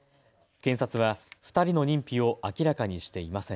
検察は２人の認否を明らかにしていません。